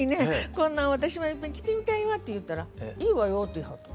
こんなん私もいっぺん着てみたいわ」って言ったら「いいわよ」って言いはったの。